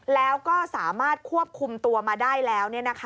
แล้วก็สามารถควบคุมตัวมาได้แล้ว